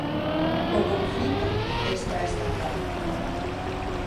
"O conflito está estancado".